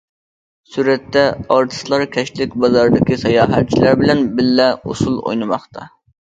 سۈرەتتە: ئارتىسلار كەچلىك بازاردىكى ساياھەتچىلەر بىلەن بىللە ئۇسۇل ئوينىماقتا.